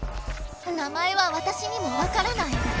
名前はわたしにもわからない。